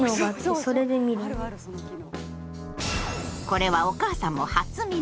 これはお母さんも初耳！